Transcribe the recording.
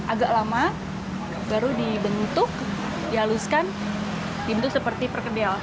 agak lama baru dibentuk dihaluskan dibentuk seperti perkedil